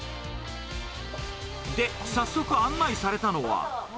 で、早速、案内されたのは。